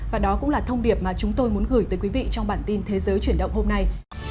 và đó cũng là thông điệp mà chúng tôi muốn gửi tới quý vị trong bản tin thế giới chuyển động hôm nay